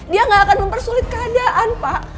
dia gak akan mempersulit keadaan pak